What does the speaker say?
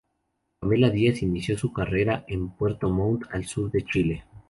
Pamela Díaz inició su carrera en Puerto Montt al Sur de Chile.